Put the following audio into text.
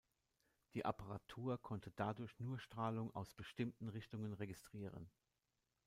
Die Apparatur konnte dadurch nur Strahlung aus bestimmten Richtungen registrieren.